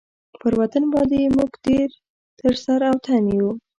پر وطن باندي موږ تېر تر سر او تن یو.